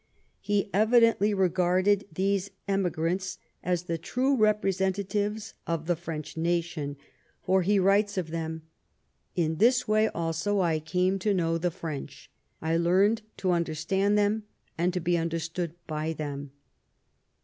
He evidently regarded these emigrants as the true representatives of the French nation, for he writes of them :" In this way also I came to know the French ; I learned to understand them, and to be understood by them."